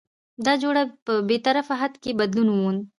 دا جوړه په بې طرفه حد کې بدلون وموند؛